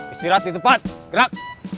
istirahat di tempat gerak